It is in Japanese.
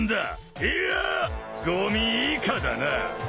いやゴミ以下だな。